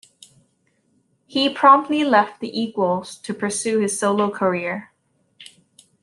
He promptly left The Equals to pursue his solo career.